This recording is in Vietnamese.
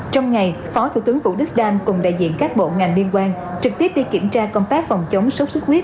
trong ngày phó thủ tướng vũ đức đam cùng đại diện các bộ ngành liên quan trực tiếp đi kiểm tra công tác phòng chống sốt xuất huyết